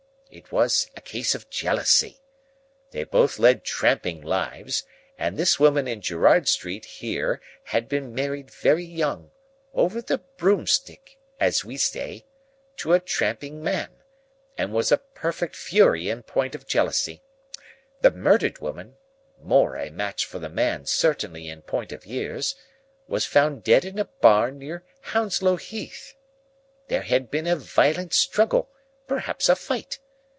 It was a case of jealousy. They both led tramping lives, and this woman in Gerrard Street here had been married very young, over the broomstick (as we say), to a tramping man, and was a perfect fury in point of jealousy. The murdered woman,—more a match for the man, certainly, in point of years—was found dead in a barn near Hounslow Heath. There had been a violent struggle, perhaps a fight.